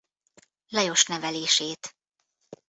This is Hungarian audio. Lajos nevelését.